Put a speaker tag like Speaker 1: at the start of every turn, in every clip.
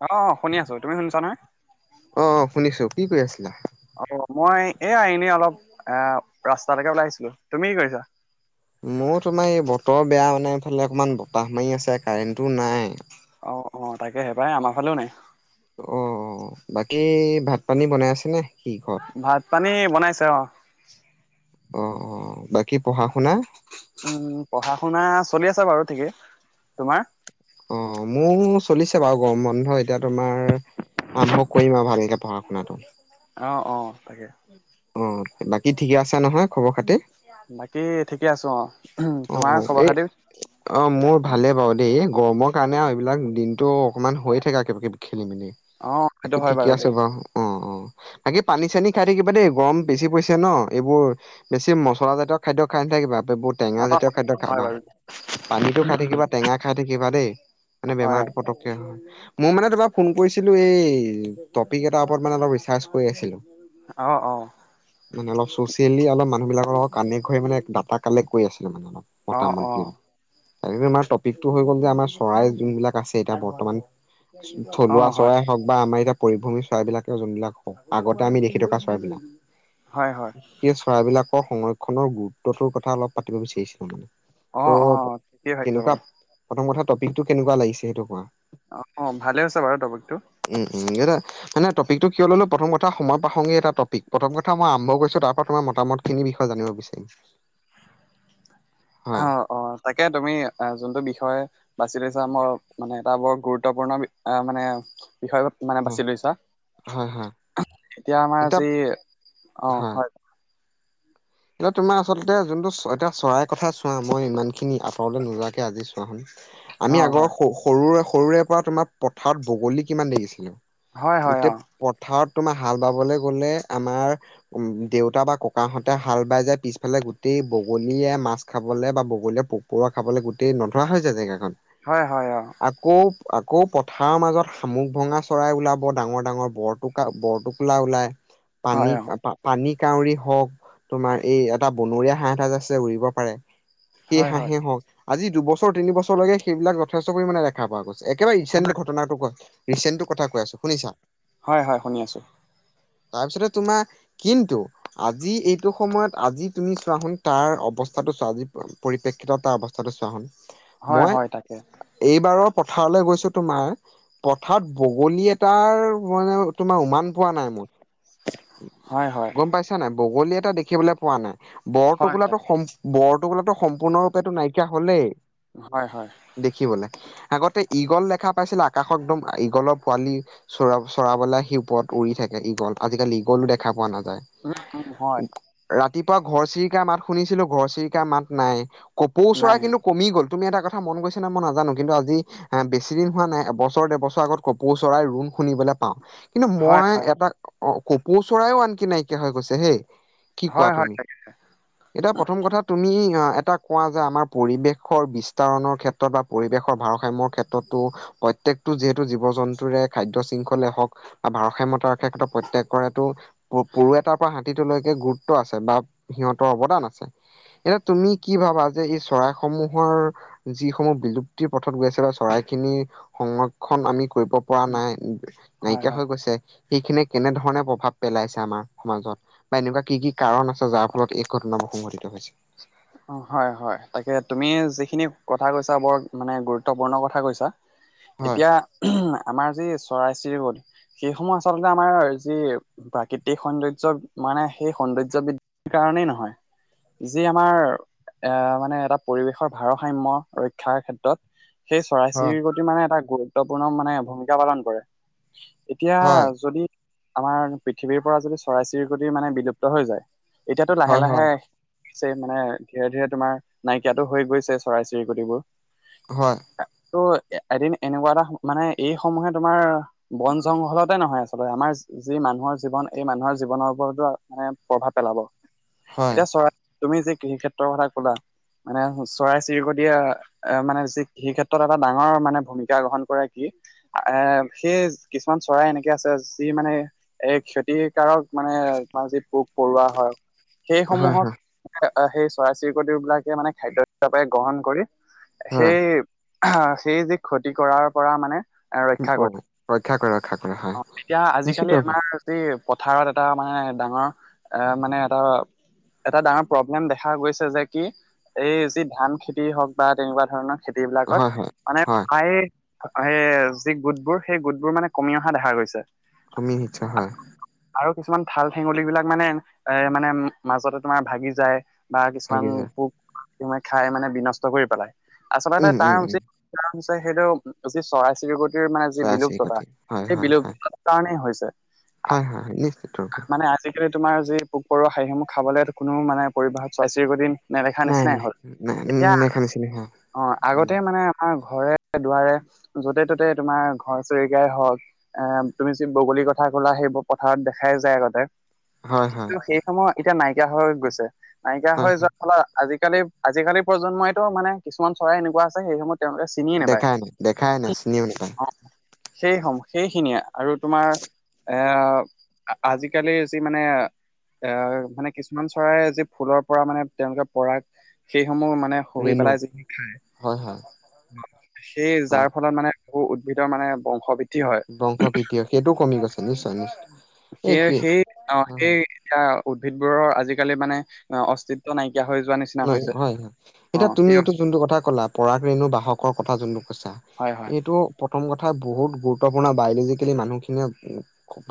Speaker 1: Hello শুনি আছো তুমি শুনিছা নহয়
Speaker 2: অ' শুনিছো কি কৰি আছিলা
Speaker 1: অ মই এয়া এনেই অলপ এ ৰাস্তালেকে ওলাই আহিছিলো তুমি কি কৰিছা
Speaker 2: মোৰ তোমাৰ এই বতৰ বেয়া মানে এইফালে অকণমান বতাহ মাৰি আছে কাৰেণ্টটো নাই।
Speaker 1: অ', অ', তাকে হে পাই আমাৰ ফালেও নাই
Speaker 2: অ বাকী ভাত পানী বনাই আছেনে
Speaker 1: ভাত পানী বনাইছে অ'
Speaker 2: অ', অ', বাকী পঢ়া শুনা
Speaker 1: উম পঢ়া শুনা চলি আছে বাৰু ঠিকেই, তোমাৰ?
Speaker 2: অ' মোৰ চলিছে বাৰু গৰম বন্ধ এতিয়া তোমাৰ আৰম্ভ কৰিম আৰু ভালকে পঢ়া শুনাটো
Speaker 1: অঁ, অঁ তাকে
Speaker 2: অ' বাকী ঠিকে আছে নহয় খবৰ খাতি!
Speaker 1: বাকী ঠিকে আছো অ
Speaker 2: অ
Speaker 1: তোমাৰ
Speaker 2: অ
Speaker 1: খবৰ
Speaker 2: এ
Speaker 1: খাতি
Speaker 2: অ মোৰ ভালে বাৰু দেই এই গৰমত কাৰণে আৰু এইবিলাক দিনটো অকণমান হৈয় থাকে একেবেেষ খেলি মি
Speaker 1: অ সেইটো
Speaker 2: বাকি
Speaker 1: হয়
Speaker 2: ঠিকে আছে
Speaker 1: দেই
Speaker 2: বাৰু অ অ বাকি পানী চানী খাই থাকিবা দেই গৰম বেছি পৰিছে ন এইবোৰ বেছি মচলা জাতীয় খাদ্য খাই থাকিবা আপি বহুত
Speaker 1: অ
Speaker 2: টেঙা জাতীয় খাদ্্য
Speaker 1: হয়
Speaker 2: খাবা
Speaker 1: বাৰু
Speaker 2: পানীতটো খাই থাকিবা টেঙা খাই থাকিবা দেই মানে
Speaker 1: হয়
Speaker 2: বেমাৰটো পতকে হয় মই মানে তোম ফোন কৰিছিলো এই টপিক এাৰ ওপৰত ম অ কৰিছিলো
Speaker 1: অ অ
Speaker 2: মানে অলপ চচিয়েলি অলপ মানুহ বিলাকৰ লগত কানেক্ট হৈ মানে ডাটা কালেক্ট কৈ আছিলো মানে অলপ
Speaker 1: অ
Speaker 2: মতামত
Speaker 1: অ
Speaker 2: দ ত আমাৰ টপিকটো হৈ গ'ল যে আমাৰ চৰাই যোনবিলাক আছে এতিয়া বৰ্তমান
Speaker 1: অ
Speaker 2: থলুৱা
Speaker 1: হয়
Speaker 2: চৰাই হওক বা আমাৰ এতিয়া পৰিভ্ৰূমী চৰাইবিলাকেও যোনবিলাক হওক আগতে আমি দেখি থকা ছোৱইবিলাক
Speaker 1: হয় হয়
Speaker 2: চৰাবলাকৰ সংৰক্ষনৰৰ গুৰুত্বটোৰ কথা অলপ পাতিব বিচাৰিছিলো মানে
Speaker 1: অ
Speaker 2: চ
Speaker 1: অ ঠিকেই ভাবিছা
Speaker 2: কেনেকুৱা
Speaker 1: বাৰু
Speaker 2: প্ৰথম কথা টপিকটো কেনেকুৱা লাগিছে সেইটো কোৱা
Speaker 1: অ ভালে আছে বাৰু টপিকটো
Speaker 2: উম উম এটা মানে টপিক টো কিয় ললো প্ৰথম কথা সময় প্ৰসংগ এ টপিক প্ৰথম কথা মইম্ভ কৰিছো তাৰ পৰা তোমাৰ মতামত খিনি বিষয়ে জানিব বিচাৰিম
Speaker 1: অ
Speaker 2: হয়
Speaker 1: অ তাকে তুমি যোনটো বিষয়ে বাচি লৈছা মই মানে এটা বৰ গুৰুত্বপূৰ্ণ মানে বিষয় মানে বাছি লৈছ
Speaker 2: হয় হয়
Speaker 1: এতিয়া আমাৰজি অ হয়
Speaker 2: এতিয়া তোমাৰ আচলতে যোনটো এতিয়া চৰাই কথা চোৱা মই ইমান খিনি আঁতৰলে নোযোৱাকে আজি চোৱা হন
Speaker 1: অ
Speaker 2: আমি আগৰ
Speaker 1: হয়
Speaker 2: সৰুৰে সৰুৰে পৰা তোমাৰ পথাৰত বগলী কিমান দেখিছিলো
Speaker 1: হয় হয়
Speaker 2: গোট
Speaker 1: অ
Speaker 2: পথাৰত তোমাৰ হাল বাবলৈ গ'লে আমাৰ উম দেউতা বা ককাহঁত এটা হাল বাই যায় পিছফালে গোটেই বগলীয়ে মাছ খাবলৈ বা বগলীয়ে পোক পৰুৱা খাবলৈ গোটেই নধৰা হৈছে য জেগাখন
Speaker 1: হয় হয় অ
Speaker 2: আকৌ আকৌ পথাৰৰ মাজত শামুক ভঙা চৰাই ওলাব ডাঙৰ ডাঙৰ বৰটোকা বৰটোকোলা ওলায়
Speaker 1: হয়
Speaker 2: পানী
Speaker 1: অ
Speaker 2: পানী কাউৰী হওক তোমাৰ এই এটা বনৰীয়া হাঁহ এটাজ আছে উৰিব পাৰে সেই
Speaker 1: হয় হয়
Speaker 2: হাঁহেই হওক আজি দুবছৰ তিন বছৰলৈকে সেইবিলাক যথেষ্ট পৰিমাণে দেখা পোৱা গৈছে একেবাৰে
Speaker 1: হয়
Speaker 2: ৰিচেণ্ট ঘটনাটো কয় ৰিচেণ্টটো কথা কৈ আছো শুনিছা
Speaker 1: হয় হয় শুনি আছোঁ
Speaker 2: তাৰপিছতে তোমাৰ কিন্তু আজি এই সটো সময়ত আজি তুমি চোৱা হুোন তাৰ অৱস্থাটো চোৱা আজি পৰিপ্ৰেক্ষিতত তাৰ অৱস্থাটো চোৱা হুোন
Speaker 1: হয় হয় তাকে
Speaker 2: পথাৰলৈ গৈছো তোমাৰে পথাৰত বগলী এটাৰ মানে তোমাৰ উমান পোৱা নাই মোৰ
Speaker 1: হয় হয়
Speaker 2: গম পাইছা নাই বগলী এটা দেখিবলৈ পোৱা নাই
Speaker 1: হয়
Speaker 2: বৰটোকোলাো
Speaker 1: তাকে
Speaker 2: সম বৰটো গলো সম্পূৰ্ণৰূপেো নাইকিয়া হলেই
Speaker 1: হয় হয়
Speaker 2: দেখিবলৈ আগতে ইঈগল দেখা পাইছিলে আকাশ একদম ইঈগলৰ পোৱালি চৰা চৰাবলে সি ওপৰত উৰি থাকে ইগল আজিকালি ইগলো দেখা পোৱা নাায়
Speaker 1: উ হয়
Speaker 2: ৰাতিপুৱা ঘৰচিৰিকা মাত শুনিছিলো ঘৰচিৰিকা মাত নাই কপৌ ওৰা
Speaker 1: নাই
Speaker 2: কিন্তু কমি গল তুমি এটা কথা ক মন গৈছেে মই নাজানো কিন্তু আজি এ বেছি দিন হোৱা নাই এবছৰ ডৰ বছৰ আগত কপৌ চৰাই ৰুণ শুনিবলৈ পাও কিন্তু
Speaker 1: হয়
Speaker 2: মই
Speaker 1: হয়
Speaker 2: এটা অ কপৌ চৰাইও আনকি নাইকিয়া হৈ গৈছে হেই কি কোৱা
Speaker 1: হয় হয়
Speaker 2: তুমি
Speaker 1: তাকে
Speaker 2: এতিয়া প্ৰথম কথা তুমি অ এটা কোৱা যে আমাৰ পৰিৱেশৰ বিস্তাৰণৰ ক্ষেত্ৰত বা পৰিৱেশৰ ভাৰসাম্যৰ ক্ষেত্ৰতো প্ৰ ত্যেকতটো যিহেতু জীৱ জন্তুৰে খাদ্য শৃংখলে হওক বা ভাৰসাম্যতা ক্ষেত্ৰত প্ৰত্যেকৰেটো প-পৰুৱা এটাৰ পৰা হা টিটু লৈকে গুৰুত্ব আছে বা সিহঁতৰ অৱদান আছে, এতিয়া তুমি কি ভাবা যে সি চৰাই স সমূহৰ যিসমূহ বিলুপ্তিৰ পথত গৈ আছে বা চৰাই খিনি সংৰক্ষণ আমি কৰিব পৰা নাই
Speaker 1: হয়
Speaker 2: নাইকিয়া
Speaker 1: হয়
Speaker 2: হৈ গৈছে সেইখিনিয়ে কেনেধৰণে প্ৰভাৱ পেলাইছে আমাৰ সমাজত? বা এনেকুৱা কি কি কাৰণ আছে যাৰ ফলত এই ঘটনাবোৰ সংঘটিত হৈছে
Speaker 1: অ', 'হয়', 'হয়' তাকে তুমি যিখিনি কথা কৈছা এটা বৰ মানে গুৰুত্বপূৰ্ণ কথা কৈছা,
Speaker 2: হয়
Speaker 1: এতিয়া আমাৰ যি চৰাই-চিৰি বোৰ সেইসমূহ আচলতে আমাৰ যি প্ৰাকৃতিক সৌন্দৰ্য মানে সেই সৌন্দৰ্য বৃদ্ধিৰ কাৰণেই নহয়
Speaker 2: [inaudible]
Speaker 1: যি আমাৰ এ', মানে এটা পৰিৱেশৰ ভাৰসাম্য ৰক্ষাৰ ক্ষেত্ৰত সেই চৰাই
Speaker 2: হয়
Speaker 1: চিৰিকতি মানে এটা গুৰুত্বপূৰ্ণ মানে ভূমিকা পালন কৰে এতিয়া
Speaker 2: হয়
Speaker 1: যদি আমাৰ পৃথিৱীৰ পৰা যদি চৰাই চিৰিকট মানে বিলুপ্ত হৈ যায় এতিয়াতো
Speaker 2: হয়
Speaker 1: লাহে-লাহে চে মানে ধীৰে-ধীৰে তোমাৰ নাইকিয়াতো হৈ গৈছে চৰাই চিৰিকটিবোৰ
Speaker 2: হয়
Speaker 1: ত' এদিন এনেকুৱা এটা মানে এই সমূহে তোমাৰ বন জংঘলতে নহয় আচলতে আমাৰ যি মানুহ হৰ জীৱন এই মানুহৰ জীৱনৰ ওপৰতো মানে প্ৰভাৱ পেলাব
Speaker 2: হয়
Speaker 1: এতিয়া চৰাই তুমি যে কৃষি ক্ষেত্ৰৰ কথা কলা মানে চৰাই চিৰিকটিয়ে এ', মানে যি কৃষি ক্ষেত্ৰত এটা ডাঙৰ মানে ভূমিকা গ্ৰহণ কৰে কি এ', সেই কিছুমান চৰাই এনেকে আছে যি মানে এ-এই ক্ষতিকাৰক মানে এ তোমাৰ যি পোক-পৰুৱা হয় সেই
Speaker 2: হয় হয়
Speaker 1: সমূহক
Speaker 2: হয়
Speaker 1: এ', সেই চৰাই-চিৰিকট বিলাকে মানে খাদ্য হিচাপে গ্ৰহণ কৰি
Speaker 2: হয়
Speaker 1: সেই আহ', সেই যি ক্ষতি কৰাৰ পৰা মানে
Speaker 2: হে প্ৰভু ৰক্ষা কৰক
Speaker 1: অ', এতিয়া আজিকালি আমাৰ যি পথাৰত এটা মানে ডাঙৰ এ', মানে এটৰ এটা ডাঙৰ প্ৰব্লেম দেখা গৈছে যে কি, এই যি ধান খেতি হওক বা তেনেকুৱা ধৰণৰ খেতি বিলাকত
Speaker 2: হয় হয়
Speaker 1: মানে
Speaker 2: হয়
Speaker 1: প্ৰায়ে সেই যি গোটবোৰ সেই গোটবোৰ মানে কমি অহা দেখা গৈছে
Speaker 2: কমি আহিছে হয়।
Speaker 1: আৰু কিছুমান ঠাল-ঠেঙুল বিলাক মানে এ', মানে মাজতে তোমাৰ ভাগি যায় বা কিছুমান
Speaker 2: ভাগি যায়
Speaker 1: পোক [unintelligible] খাই মানে বিনষ্ট কৰি পেলাই। আচলতে
Speaker 2: উম
Speaker 1: তাৰ
Speaker 2: উম উম
Speaker 1: উচিত [unintelligible] হৈছে সেইটো যি চৰাই চিৰিকটিৰ মানে যি
Speaker 2: চৰাই
Speaker 1: বিলুপ্ততা
Speaker 2: চিৰিকটি হয়
Speaker 1: সেই
Speaker 2: হয় হয় হয়
Speaker 1: [unintelligible] কাৰণে হৈছে।
Speaker 2: 'হয়', 'হয়' [unintelligible]
Speaker 1: সেই তোমাৰ যি পোক-পৰুৱা খাই সেইবোৰ খাবলৈ কোনো মানে পৰিবাহক চৰাই-চিৰিকতি নেদেখা
Speaker 2: নাই
Speaker 1: নিচিনাই
Speaker 2: নাই
Speaker 1: হল
Speaker 2: নাই
Speaker 1: এতিয়া
Speaker 2: নেখা নিচিনা হা
Speaker 1: অ',
Speaker 2: উম
Speaker 1: আগতে মানে আমাৰ ঘৰে দুৱাৰে য'তে ত'তে তোমাৰ ঘৰ চৰিকীয়াই হওক এ', তুমি যি বগলীৰ কথা কলা সেইবোৰ পথাৰত দেখাই যায় আগতে
Speaker 2: হয় হয়
Speaker 1: কিন্তু সেই সমূহ এতিয়া নাইকিয়া হৈ গৈছে নাইকিয়া
Speaker 2: হয়
Speaker 1: হৈ
Speaker 2: হয়
Speaker 1: যোৱাৰ ফলত আজি কালি আজিকালি প্ৰজন্মইটো মানে কিছুমান চৰাই এনেকুৱা আছে সেই সমূহ তেওঁলোকে চিনিয়ে নাপায়,
Speaker 2: দেখাই নাই দেখাই নাই চিনিও নাপায়
Speaker 1: অ', সেই সমূহ সেইখিনিয়ে আৰু তোমাৰ এ', আজিকালি যি মানে এ', মানে কিছুমান চৰাই যি ফুলৰ পৰা মানে তেওঁলোকে পৰাগ সেই সমূহ মানে শুহি
Speaker 2: ৰেণু
Speaker 1: পেলাই যিখিনি খায়
Speaker 2: হয় হয়
Speaker 1: অ', সেই যাৰ
Speaker 2: হয়
Speaker 1: ফলত মানে বহু উদ্ভিদৰ মানে বংশবি
Speaker 2: বংশ বৃদ্ধি হয়, সেইটোও কমি গৈছে নিশ্চয় নিশ্চয় এই
Speaker 1: সেইয়ে
Speaker 2: সি
Speaker 1: সেই অ,
Speaker 2: হয়
Speaker 1: সেই
Speaker 2: হয়
Speaker 1: এতিয়া উদ্ভিদবোৰৰ আজিকালি মানে অস্তিত্ব নাই
Speaker 2: উম, হয়। হএতিয়া তুমি
Speaker 1: সেই
Speaker 2: এইটো যোনটো কথা ক'লা পৰাগ ৰেণু বাহকৰ কথা যোনটো কৈছা।
Speaker 1: হয় হয়
Speaker 2: এইটো প্ৰথম কথা বহুত গুৰুত্বপূৰ্ণ বায়লজিকেলি মানুহখিনিয়ে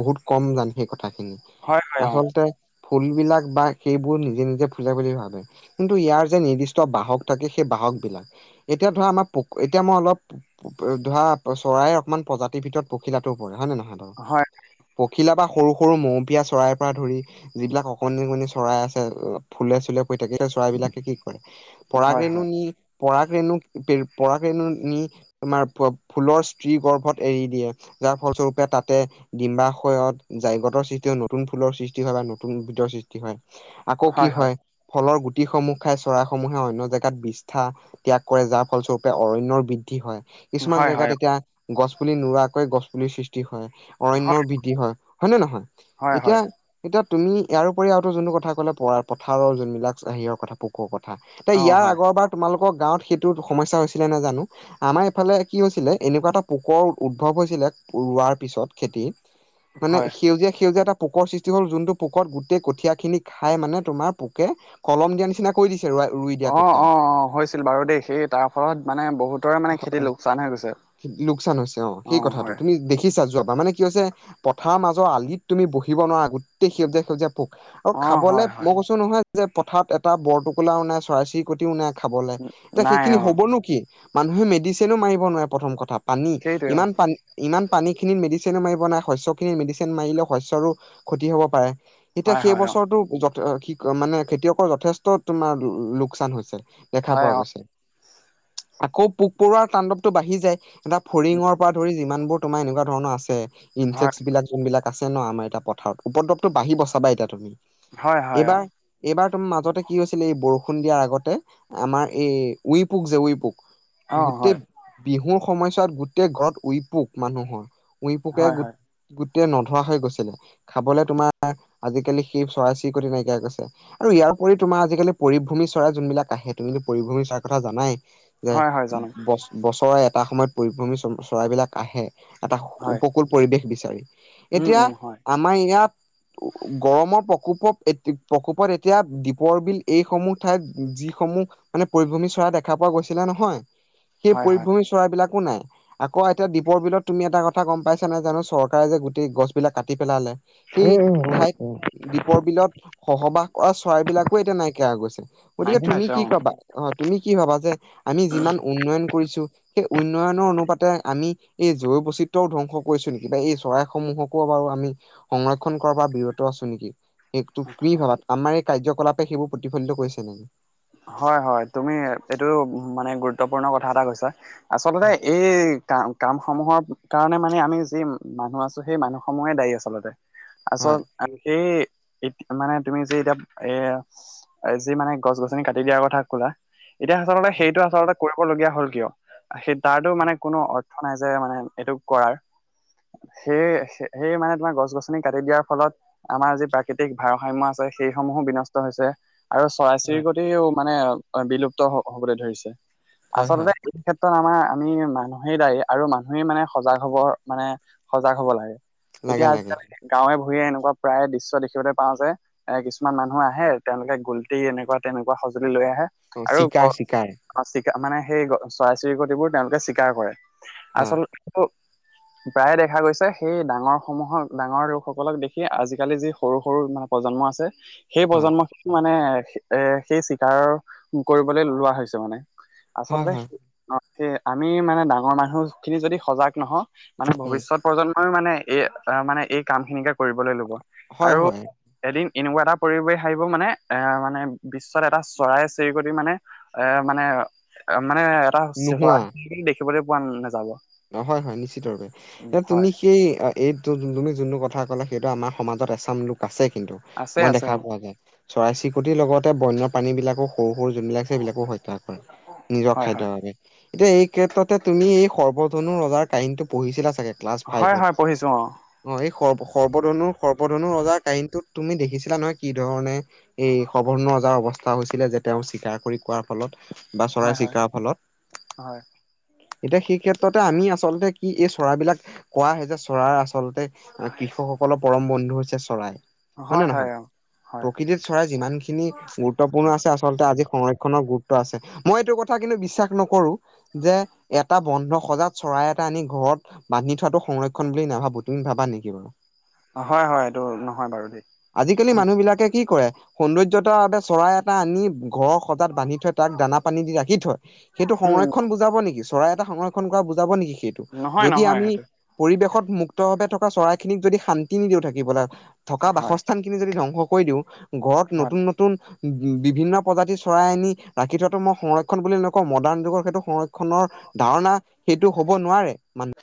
Speaker 2: বহুত কম জান সেই কথা কথা খিনি
Speaker 1: হয় হয় অ।
Speaker 2: আচলতে ফুলবলাক বা সেইবোৰ নিজে নিজে ফুলে বুলি ভাবে। কিন্তু ইয়াৰ যে নিৰ্দিষ্ট বাহক থাকে সেই বাহক বিলাক, এতিয়া ধৰা আমাৰ পুক এতিয়া মই অলপ [unintelligible] ধৰা চৰাই অকমান প্ৰজাতিৰ ভিতৰত প পখিলা তোও পৰে হয় নে নহয় বাৰু?
Speaker 1: হয়,
Speaker 2: পখিলা বা সৰু সৰু মৌপিয় চৰাইৰ পৰা ধৰি যিবিলাক অকণনিকণনি চৰাই আছে ফুলে চুলে কৈ থাকে সেই চৰাইবলাকে কি কৰে, পৰাগ
Speaker 1: হয়,
Speaker 2: ৰেণু
Speaker 1: হয়,
Speaker 2: নি পৰাক ৰেণুক পৰাকৰেণু নি তোমাৰ ফুলৰ স্ত্ৰী গৰ্ভত এৰি দিয়ে। যাৰ ফলস্বৰূপে তাতে ডিম্বাশয়ত জাইগতৰ সৃষ্টি হয় নতুন ফুলৰ সৃষ্টি হয় বা নতুনদৰ সৃষ্টি হয়। আকৌ কি হয় ফলৰ গোট টি সমূহ খাই চৰাইসমূহে অন্য জেগাত বিষ্ঠা ত্যাগ কৰে যাৰ ফলস্বৰূপে অৰণ্যৰ বৃদ্ধি হয়। কিছুমান
Speaker 1: হয়,
Speaker 2: জেগাত
Speaker 1: হয়,
Speaker 2: এতিয়া গছ পুলি নোোৱাকৈয়ে গছ পুলিিৰ সৃষ্টি হয়।
Speaker 1: হয়,
Speaker 2: অৰণয়ৰ বৃদ্ধি হয়, হয় নে নহয়?
Speaker 1: হয়,
Speaker 2: এতিয়া,
Speaker 1: হয়,
Speaker 2: এতিয়া তুমি ইয়াৰ উপৰি আৰুো যোনটো কথা ক'লে প-পথাৰৰ যোনবিলাক হেৰীৰৰ কথা পোকৰ কথা থা, এতিয়া
Speaker 1: অ',
Speaker 2: ইয়াৰ
Speaker 1: হয়,
Speaker 2: আগৰবাৰ তোমালোক আ গাঁৱত সেইটো সমস্যা হৈছিলে নোজানো, আমাৰ এইফালে কি হৈছিলে এনেকুৱা এটা পোক উদ্ভৱ হৈছিলে [unintelligible] ৰুৱা পিছত খেতি মানে
Speaker 1: হয়।
Speaker 2: সেইউজীয়া সেইউজিয়া এটা পোক সৃষ্টি হ'ল যোনটো পোকত গোটেই কঠিয় খিনি খাই মানে তোমাৰ পোকে কলম দিয়া নিচিনা কৰি দিছ [unintelligible] ৰুই দিয়া
Speaker 1: অ',
Speaker 2: কঠিয়া
Speaker 1: অ', অ, হৈছিল বাৰু দেই সেই তাৰ ফলত মানে বহুতৰে মানে খেতি লোকচান হৈ গৈছে।
Speaker 2: লোকচান হৈছে অ, সেই কথাটো তুমি দেখিছা যোৱা বাৰ, মানে কি হৈছে পথাৰৰ মাজৰ আলিত তুমি বহিব নোৱাৰা গোটেই সেউজীয়া-সেউজীয়া পোক আৰু
Speaker 1: অ',
Speaker 2: খাবলৈ
Speaker 1: হয়, হয়,
Speaker 2: মই কৈছো নহয় যে পথাৰত এটা বৰটোকোলা ওাই চৰাই চিৰিকটি ও নাই। খাবলৈ, এতিয়া
Speaker 1: নাই
Speaker 2: সেইখিনি
Speaker 1: অ',
Speaker 2: হ'বনো কি মানুহে মেডিচিনো মাৰিব নোৱাৰে প্ৰথম কথা, পানী
Speaker 1: সেইটোৱে অ',
Speaker 2: ইমান পানী ইমান পানী খিনিত মেডিচিনো মাৰিব নাই শস্যখিনি মেডিচিন মাৰিলে শস্যৰো ক্ষতি হ'ব পাৰে। এতিয়া
Speaker 1: হয়,
Speaker 2: সেই
Speaker 1: হয়, অ',
Speaker 2: বছৰৰতো মানে খেতিয়কৰ যথেষ্ট তোমাৰ লোকচান হৈছে। দেখা
Speaker 1: হয়,
Speaker 2: পোৱা
Speaker 1: অ'।
Speaker 2: গৈছে। আকৌ পোক-পৰুৱাৰ তাণ্ডৱটো বাঢ়ি যায়। এটা ফৰিঙৰ পৰা ধৰি যিমান বোৰ তোমাৰ এনেকুৱা ধৰণৰ আছে
Speaker 1: হয়,
Speaker 2: ইনচেক্স বিলাক যোন বিলাক আছে ন আমাৰ এতিয়া পথাৰত উপদ্ৰৱটো বাহিব চাবা এতিয়া তুমি।
Speaker 1: হয় হয়।
Speaker 2: এইবাৰ এইবাৰ তোমাৰ মাজতে কি হৈছিলে এই বৰষুণ দিয়াৰ আগতে, আমাৰ এই উই পুক যে উই পুক
Speaker 1: অ',
Speaker 2: গোটেই
Speaker 1: হয়,
Speaker 2: বিহুৰ সময়ছোৱাত গোটেই ঘৰত উৰিপুক মানুহৰ। উই পুকে
Speaker 1: হয়,
Speaker 2: গ
Speaker 1: হয়,
Speaker 2: গোটেই নধৰা হৈ গৈছিলে, খাবলৈ তোমাৰ আজিকালি সি চৰাই চিৰিকটি নাইকিয়া গৈছে। আৰু ইয়াৰ উপৰি তোমাৰ আজিকালি পৰিভূমি চৰাই যোনবিলাক আহে তুমিতো পৰিভূমি চৰাই কথা জানাই। যে
Speaker 1: হয়, হয়, জানো
Speaker 2: বছৰে এটা সময়ত পৰিভ্ৰমী চৰাইবলাক আহে। এটা
Speaker 1: হয়,
Speaker 2: উপকুল পৰিৱেশ বিচাৰি,
Speaker 1: উম,
Speaker 2: এতিয়া
Speaker 1: উম, হয়,
Speaker 2: আমাৰ ইয়াত গৰমৰ প্ৰকোপ এইট- এ প্ৰকোপত এতিয়া দ্বীপৰ বিল এইসমূহ ঠাইত যিসমূহ মানে পৰিভ্ৰমি চৰা দেখা পোৱা গৈছিলে ন নয়। সেই
Speaker 1: হয়, হয়,
Speaker 2: পৰিভ্ৰমি চৰাইবাক একো নাই। আকৌ এতিয়া দ্বীপৰ বিলত তুমি এটা কথা গম পাইছা নাই জানো, চৰকাৰে যে গোটেই গছ বিলাক কাটি পেলালে। সেই ঠাইত দ্বীপৰ বিলত বসবাস কৰা চৰাইবলাকো এতিয়া নাইকিয়া গৈছে, গতিকে
Speaker 1: নাইকিয়া
Speaker 2: তুমি
Speaker 1: হৈছে
Speaker 2: কি
Speaker 1: অ'।
Speaker 2: কবা অ তুমি কি ভাবা যে আমি যিমান উন্নয়ন কৰিছো সেই উন্নয়নৰ অনুপাতে আমি এই জৈৱ বৈচিত্ৰয়ও ধ্বংস কৰিছো নেকি বা এই চৰাইসমূহকো আমি সংৰক্ষণ কৰা পাৰা বিৰত আছো নেকি? তোক কি ভাবাত? আমাৰ এই কাৰ্যকলাপে, সেইবোৰ প্ৰতিফলিত কৰিছে নেকি?
Speaker 1: হয়-হয় তুমি এইটো মানে গুৰুত্বপূৰ্ণ কথা এটা কৈছা। আচলতে,
Speaker 2: হয়
Speaker 1: এই কাম-কামসমূহৰ কাৰণে মানে, আমি যি মানুহ আছো, সেই মানুহ সমূহে দায়ী আচলতে। আচল,
Speaker 2: হয়
Speaker 1: সেই এ মানে তুমি যে এতিয়া এ, যি মানে গছ-গছ নি কাটি দিয়াৰ কথা ক'লা। এতিয়া আচলতে সেইটো আচলতে কৰিবলগীয়া হ'ল কিয়? সেই, তাৰ টো
Speaker 2: হয়
Speaker 1: মানে কোনো অৰ্থ নাই যে মানে এইটো কৰাৰ। সেই-সেই মানে তোমাৰ গছ-গছনি কাটি দিয়াৰ ফলত, আমাৰ যি প্ৰাকৃতিক ভাৰসাম্য আছে। সেইসমূহো বিনষ্ট হৈছে। আৰু চৰাই
Speaker 2: হয়।
Speaker 1: চিৰিকতিও মানে বিলুপ্ত হবলৈ ধৰিছে।
Speaker 2: হয়।
Speaker 1: আচলতে সেই ক্ষেত্ৰ ত, আমাৰ আমি মানুহেই দায়ী আৰু মানুহেই মানে সজাগ হ'বৰ মানে সজাগ হ'ব লাগে।
Speaker 2: লাগে
Speaker 1: এতিয়া, আজি
Speaker 2: লাগে
Speaker 1: [unintelligible] গাঁৱে ভূ ভূৱে এনেকুৱা প্ৰায় দৃশ্য দেখিবলৈ পাও যে, এ কিছুমান মানুহ আহে, তেওঁলোকে গোলটি এনেকুৱা তেনেকুৱা সঁজুলি লৈ আহে।
Speaker 2: অ
Speaker 1: আৰু
Speaker 2: চিকাৰ
Speaker 1: গ
Speaker 2: চিকাৰ
Speaker 1: মানে সেই চৰাই-চিৰিকতিবোৰ তেওঁলোকে চিকাৰ কৰে।
Speaker 2: হা
Speaker 1: আচলটো
Speaker 2: [inaudible]
Speaker 1: প্ৰায়ে দেখা গৈছে, সেই ডাঙৰ সমূহক, ডাঙৰ লোকসকলক দেখি, আজিকালি যি সৰু-সৰু, মানে প্ৰজন্ম আছে। সেই
Speaker 2: হা
Speaker 1: প্ৰজন্ম খিনি মানে, এ সেই চিকাৰ কৰিবলৈ লোৱা হৈছে মানে।
Speaker 2: হয়
Speaker 1: আচলতে
Speaker 2: হয়
Speaker 1: আমি মানে ডাঙৰ মানুহ খিনি যদি সজাগ নহও মানে
Speaker 2: উম
Speaker 1: ভৱিষ্যত প্ৰজন্মইও মানে, এই মানে এই কাম খিনিকে কৰিবলৈ ল'ব।
Speaker 2: হয়
Speaker 1: আৰু
Speaker 2: হয়
Speaker 1: এদিন এনেকুৱা এটা পৰিবেহ আহিব মানে, এ মানে বিশ্বত এটা চৰাই চিৰিকটি মানে, এ মানে মানে এটা [unintelligible] দেখিবলৈ পোৱা নাযাব।
Speaker 2: হয়-হয় নিশ্চিতৰূপে।
Speaker 1: উম
Speaker 2: এতিয়া
Speaker 1: হয়
Speaker 2: তুমি সেই, এইটো তুমি যোনটো কথা কলা সেইটো আমাৰ সমাজত এচাম লোক আছে কিন্তু,
Speaker 1: আছে
Speaker 2: মই
Speaker 1: আছে
Speaker 2: দেখা
Speaker 1: অ
Speaker 2: পোৱা যায়। চৰাই চিৰিকটিৰ লগতে বন্য প্ৰাণী বিলাকো সৰু-সৰু যোনবিলাক আছে সেইবিলাকো হত্যা কৰে, নিজৰ
Speaker 1: হয় হয়
Speaker 2: খাদ্যৰ বাবে। এতিয়া এই ক্ষেত্ৰতে তুমি এই সৰ্বধনু ৰজাৰ কাহিনীটো পঢ়িছিলা চাগে ক্লাছ
Speaker 1: হয়
Speaker 2: ফাইভত।
Speaker 1: হয় পঢ়িছো অ
Speaker 2: অ' এই সৰ্ব-সৰ্বধনু-সৰ্বধনু ৰজাৰ কাহিনীটো তুমি দেখিছিলা নহয় কি ধৰণে এই সৰ্বধনু ৰজাৰ অৱস্থা হৈছিলে যে, তেওঁ চিকাৰ কৰি খোৱাৰ ফলত বা চৰাই
Speaker 1: হয় হয়
Speaker 2: চিকাৰ ফলত। এতিয়া সেই ক্ষেত্ৰতে আমি আচলতে কি এই চৰাইবিলাক কোৱা হয় যে চৰাইৰ আচলতে কৃষকসকলৰ পৰম বন্ধু হৈছে চৰাই।
Speaker 1: হয়
Speaker 2: হয়নে
Speaker 1: হয়
Speaker 2: নহয়,
Speaker 1: হয়
Speaker 2: প্ৰকৃতিত চৰাই যিমান খিনি গুৰুত্বপূৰ্ণ আছে আ [unintelligible] আজি সংৰক্ষণৰ গুৰুত্ব আছে। মই এইটো কথা কিন্তু বিশ্বাস নকৰো, যে এটা বন্ধ সজাত চৰাই এটা আনি ঘৰত বান্ধি থোৱাটো সংৰক্ষণ বুলি নাভাবো, তুমি ভাবা নেকি বাৰু?
Speaker 1: অ হয় হয় হয় এইটো নহয় বাৰু দেই
Speaker 2: আজিকালি মানুহ বিলাকে কি কৰে সৌন্দৰ্যতাৰ বাবে চৰাই এটা আনি ঘৰ সজাত বান্ধি থয় তাক দানা পানী দি ৰাখি থয়, সেইটো
Speaker 1: উম
Speaker 2: সংৰক্ষণ বুজাব নেকি চৰাই এটা সং [unintelligible] কৰা বুজাব নেকি সেইটো,
Speaker 1: নহয়
Speaker 2: যদি
Speaker 1: নহয়
Speaker 2: আমি
Speaker 1: সেইটো
Speaker 2: পৰিৱেশত মুক্ত ভাৱে থকা চৰাইখিনিক যদি শান্তি নিদিওঁ থাকিবলে, থকা
Speaker 1: হয়
Speaker 2: বাসস্থান খিনি যদি ধ্বংস কৰি দিওঁ ঘৰত
Speaker 1: হয়
Speaker 2: নতুন নতুন বি-বিভিন্ন প্ৰজাতিৰ চৰাই আনি ৰাখি থোৱাটো মই সংৰক্ষণ বুলি নকওঁ মডাৰ্ণ যুগৰ সেইটো সংৰ খনৰ ধাৰণা সেইটো হ'ব নোৱাৰে মানু